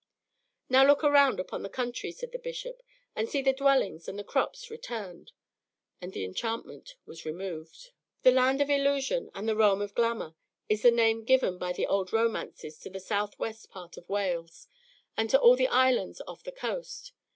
"Now look round upon the country," said the bishop, "and see the dwellings and the crops returned," and the enchantment was removed. "The Land of Illusion and the Realm of Glamour" is the name given by the old romancers to the south west part of Wales, and to all the islands off the coast.